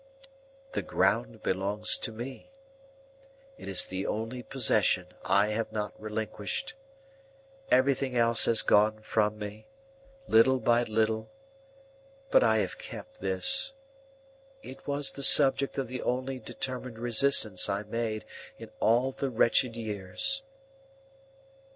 "The ground belongs to me. It is the only possession I have not relinquished. Everything else has gone from me, little by little, but I have kept this. It was the subject of the only determined resistance I made in all the wretched years."